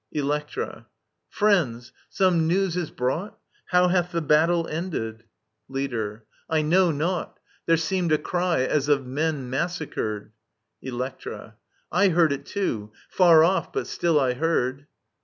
ELScniA. Friends I Some news is brought ? How hath the battle ended ? Leadbiu I know naught. There seemed a cry as of men massacred I Electra. I heard it too. Far off, but still I heard.